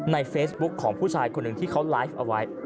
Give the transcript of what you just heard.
ในเฟซบุ๊คของผู้ชายคนหนึ่งที่เขาไลฟ์เอาไว้